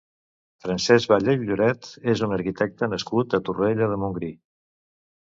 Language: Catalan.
Francesc Batlle i Lloret és un arquitecte nascut a Torroella de Montgrí.